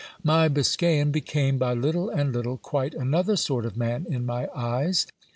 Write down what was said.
My Biscayan became, by little and little, quite another sort of man in my eyes.